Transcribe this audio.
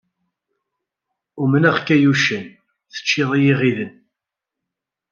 Umneɣ-k ay uccen, teččiḍ-iyi iɣiden.